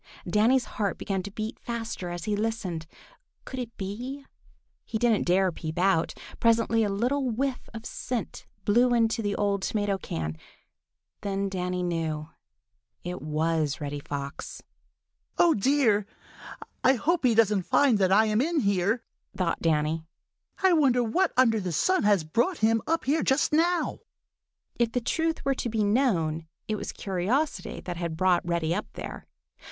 Danny's heart began to beat faster as he listened. Could it be? He didn't dare peep out. Presently a little whiff of scent blew into the old tomato can. Then Danny knew—it was Reddy Fox. "Oh, dear! I hope he doesn't find that I am in here!" thought Danny. "I wonder what under the sun has brought him up here just now." If the truth were to be known, it was curiosity that had brought Reddy up there.